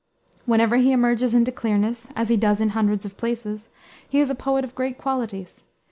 Whenever he emerges into clearness, as he does in hundreds of places, he is a poet of great qualities.